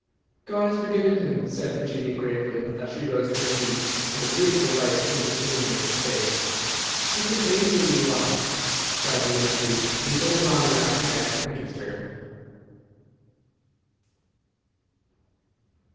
"God has forgiven him," said Virginia, gravely, as she rose to her feet, and a beautiful light seemed to illumine her face. "What an angel you are!" cried the young Duke, and he put his arm round her neck, and kissed her.